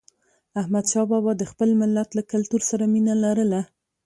احمدشاه بابا د خپل ملت له کلتور سره مینه لرله.